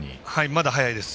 まだ早いです。